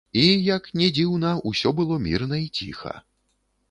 І, як не дзіўна, усё было мірна і ціха.